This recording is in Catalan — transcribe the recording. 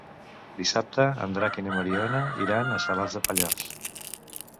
Dissabte en Drac i na Mariona iran a Salàs de Pallars.